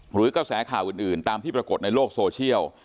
หรือกระแสข่าวอื่นตามที่ปรากฏในโลกโซเชียล